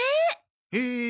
へえ。